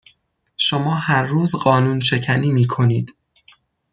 شما هر روز قانونشکنی میکنید